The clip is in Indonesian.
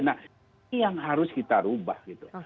nah ini yang harus kita ubah gitu